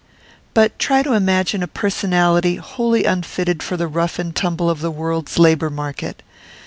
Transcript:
But try to imagine a personality wholly unfitted for the rough and tumble of the world's labour market.